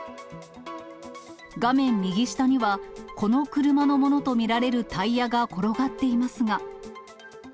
画面右下には、この車のものと見られるタイヤが転がっていますが。